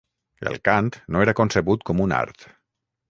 El cant no era concebut com un art